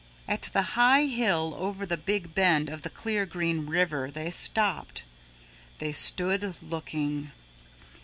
At the high hill over the big bend of the Clear Green River they stopped. They stood looking.